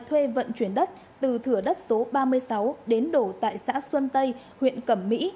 thuê vận chuyển đất từ thửa đất số ba mươi sáu đến đổ tại xã xuân tây huyện cẩm mỹ